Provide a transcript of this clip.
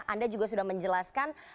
anda juga sudah menjelaskan